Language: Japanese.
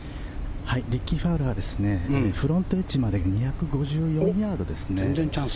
リッキー・ファウラーですねフロントエッジまで２５４ヤードですね。